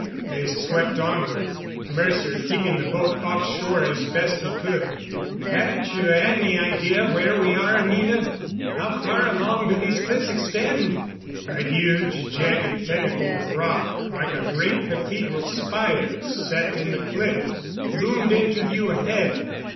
They swept onward, Mercer keeping the boat offshore as best he could. "Haven't you any idea where we are, Anina? How far along do these cliffs extend?" A huge, jagged pinnacle of rock, like a great cathedral spire set in the cliff, loomed into view ahead.